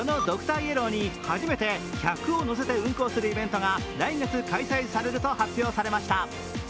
イエローに初めて客を乗せて運行するイベントが来月開催されると発表されました。